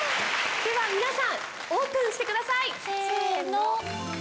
では皆さんオープンしてください。せの！